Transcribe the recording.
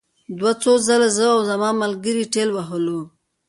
دوی څو ځله زه او زما ملګري ټېل وهلو